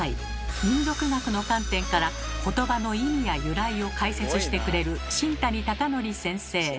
民俗学の観点からことばの意味や由来を解説してくれる新谷尚紀先生。